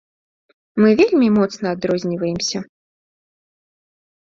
Мы вельмі моцна адрозніваемся.